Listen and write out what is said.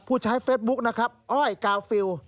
ผู้ใช้เฟสบุ๊คนะครับอ้อยกาฟิล